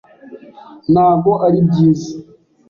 ntago ari byiza